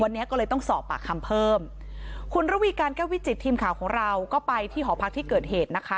วันนี้ก็เลยต้องสอบปากคำเพิ่มคุณระวีการแก้ววิจิตทีมข่าวของเราก็ไปที่หอพักที่เกิดเหตุนะคะ